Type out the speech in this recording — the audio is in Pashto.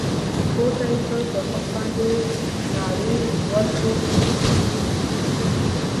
پورته يې كړ پر مخ باندې يې ناړې ورتو کړې.